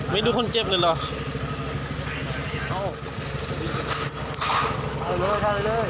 ไม่ดูคนเจ็บเลยหรอ